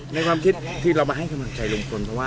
ในความคิดที่เรามาให้กำลังใจลุงพลเพราะว่า